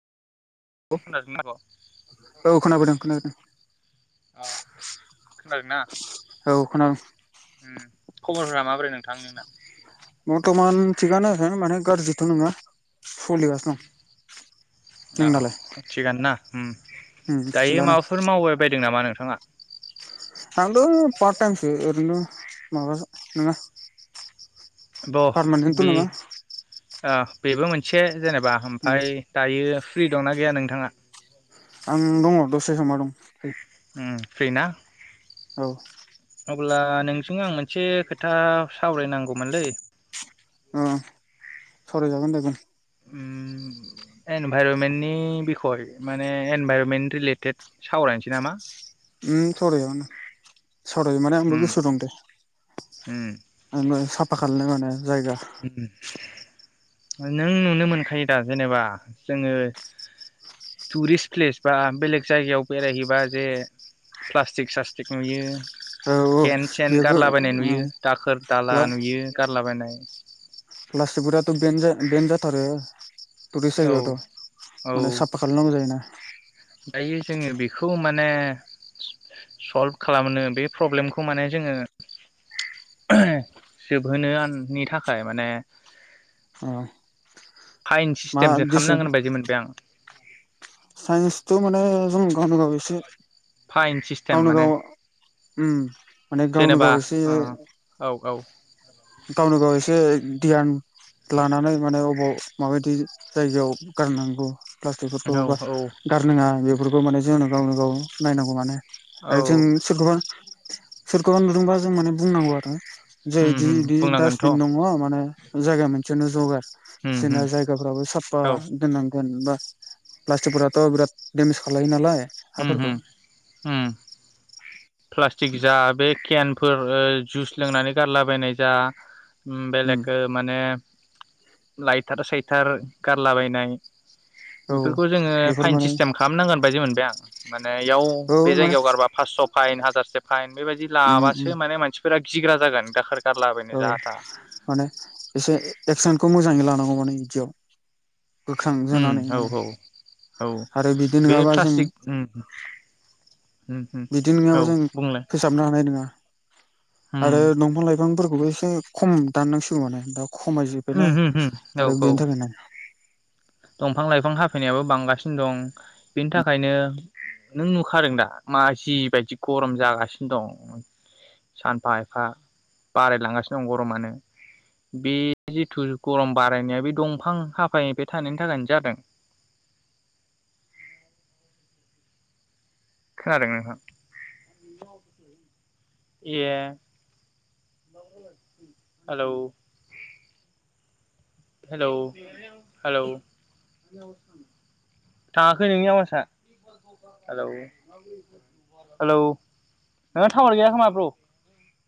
खोनादोंना आब'? हेलौ औ खोनाबोदों खोनादों। अ खोनादोंना औ खोनादों उम खबरफोरा माबोरै? नोंथां नोंना। बर्थमान थिगानो माने गाज्रिथ' नङा सलिगासिनो दं। औ नोंनालाय थिगानो ना उम उम दायो थिगानो माबाफोर मावबाय बायदों नामा नोंथां? थाङा थांदो फार्थ थायेमसो ओरैनो माबा नोङा। ब बे ओ बेबो मोनसे। जेनेबा उम आमफाय दायो फ्रि दंना गैया नोंथाङा? आं दङ दसे जना दं। उम फ्रिना? औ। अब्ला नोंजों आं मोनसे खोथा सावरायनांगौमोनलै। उम। सरायजागोन दे बुं उम एनभाइरमेन्टनि बिखय माने एनभाइरमेन्ट रिलेटेड सावरायनोसै नामा? उम सावराय जागोन दे। सावरायनो माने आंबो उम गोसोयाव दं दे। उम। नो साफा खालायनाय मानाय उम उ। नों नुनो मोनखायो दा जेनेबा जोंङो टुरिस्ट प्लेस बा बेलेग जायगायाव बेरायहैबा जे प्लास्टिक स्लास्टिक नुयो औ औ खेन सेन बेखौ गारलाबायनाय नुयो दाखोर दाला नुयो गारलाबायनाय। फ्लास्टिकफोराथ' बेन बेन जाथारो। टुरिस्ट औ जायगायावथ' औ माने साफा खालामनांगौ जायोना। जोंङो बेखौ माने सल्भ खालामनो बे प्रब्लेमखौ माने जोंङो जोबहोनो आन नि थाखाय माने अ फाइन मा सिस्टेमसो दिसुन खामनांगोन बायदि मोनबाय आं साइन्सथ' माने जों गावनो गाव एसे फाइन सिस्टेम गावनो माने गाव उम माने गावनो जेनेबा गाव एसे ओ औ औ गावनो गाव एसे धियान लानानै माने अबाव माबायदि जायगायाव गारनांगौ। प्लास्टिकफोरखौ औ औ गारनांङा बे बेफोरखौ माने जोंनो गावनो गाव नायनांगौ माने। औ आरो जों सोरखौबा सोरखौबा नुदोंबा जों माने बुंनांगौ आरो जे उम बिदि उम बिदि बुंनांगोनथ' डास्टबिन दङ माने जायगा मोनसे जौगार उम उम जोंना जायगाफ्राबो साफा औ दोननां जेनेबा प्लास्टिकफोराथ' बिराद दडेमेज खालायो नालाय उम हाफोरखो उम उम प्लास्टिक जा बे केेन फोर जुइस लोंनानै गारलाबायनाय जा उम बेलेगखो माने लायथार सायथार गारलाबायनाय औ बेफोरखौ जोङो बेफोर फाइन माने सिस्टेम खालामनांगोन बायदि मोनबाय आं माने बेयाव औ बे माने जायगायाव गारबा पासस' दाइन हाजार से फाइन बेबायदि उम उम लाबासो माने मानसिफोरा गिग्रा जागोन दाखोर गारलाबायनो औ जाहा थाहा माने एसे एक्सनखौ मोजाङै लानांगौमोन। नै इदियाव उम औ औ औ आरो बिदि बे नङाबा जों प्लास्टिक उम उम उम बिदि नङाबा औ जों बुंलाय फोसाबनो हानाय नङा। उम आरो दंफां लाइफांफोरखौबो एसे खम दाननांसिगौ माने दाउ उम खमायजोब्बायना उम उम औ आरो औ बेनि थाखायनो दंफां लाइफां हाफायनायाबो बांगासिनो दं बेनि थाखायनो नों नुखादों दा मा जिबायायदि गरम जागासिनो दं सानफा एफा बारायलांगासिनो दं गरमानो बे जिथु गरम बारायनाया बे दंफां हाफायनाय बे थानायनि थाखायनो जादों। खोनादों नोंथां [inaudible] ए हेलौ हेलौ हेलौ थाङाखै नोंनि आवासा हेलौ हेलौ नोंहा टावार गैया खोमाब्र